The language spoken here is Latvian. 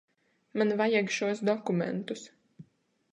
Man vajag šos dokumentus.